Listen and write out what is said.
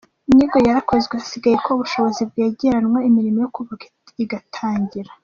Inyigo yarakozwe hasigaye ko ubushobozi bwegeranywa imirimo yo kubaka igatangira.